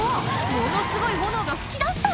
ものすごい炎が噴き出した！